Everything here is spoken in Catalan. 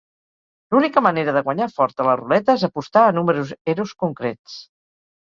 L'única manera de guanyar fort a la ruleta és apostar a número eros concrets.